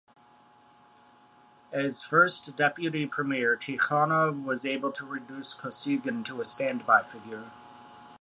As First Deputy Premier, Tikhonov was able to reduce Kosygin to a standby figure.